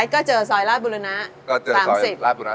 ก็เจอซอยลาบุรณา๓๐